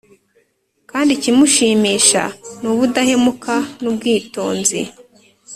kandi ikimushimisha ni ubudahemuka n’ubwitonzi